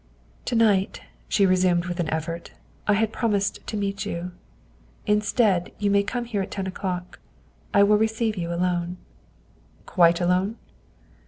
" To night," she resumed with an effort, " I had promised to meet you. Instead, you may come here at ten o'clock. I will receive you alone." " Quite alone?"